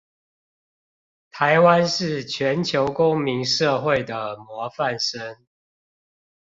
臺灣是全球公民社會的模範生